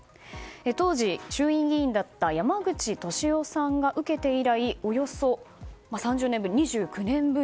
当時、衆院議員だった山口敏夫さんが受けて以来およそ３０年ぶり。